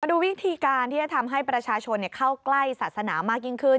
ดูวิธีการที่จะทำให้ประชาชนเข้าใกล้ศาสนามากยิ่งขึ้น